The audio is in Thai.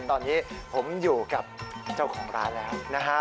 ตอนนี้ผมอยู่กับเจ้าของร้านแล้วนะฮะ